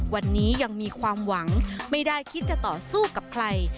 วันนี้ยังมีความหวังไม่ได้คิดจะต่อสู้กับใคร